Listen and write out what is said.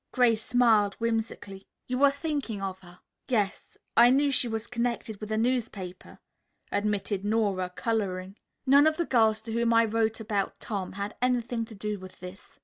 Grace smiled whimsically. "You were thinking of her?" "Yes; I knew she was connected with a newspaper," admitted Nora, coloring. "None of the girls to whom I wrote about Tom had anything to do with this.